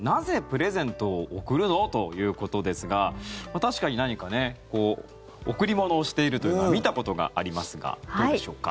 首脳会談でなぜプレゼントを贈るの？ということですが確かに何か贈り物をしているというのは見たことがありますがどうでしょうか。